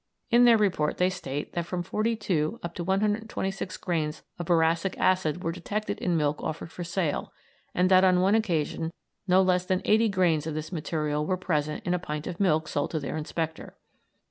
In their report they state that from 42 up to 126 grains of boracic acid were detected in milk offered for sale, and that on one occasion no less than 80 grains of this material were present in a pint of milk sold to their inspector.